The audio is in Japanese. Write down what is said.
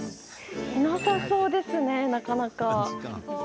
いなさそうですね、なかなか。